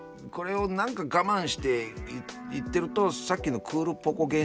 これを何か我慢して言ってるとさっきのクールポコ。